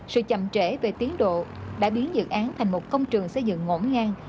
sự chậm trễ về tiến độ đã biến dự án thành một công trường xây dựng ngỗ ngang